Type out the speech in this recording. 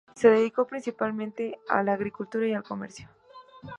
Se dedicó principalmente a la agricultura y al comercio.